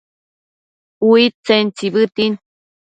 Uidtsen tsibëtin